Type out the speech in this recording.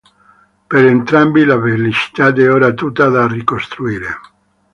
Per entrambi la felicità è ora tutta da ricostruire.